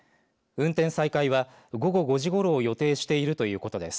運転再開は午後５時ごろを予定しているということです。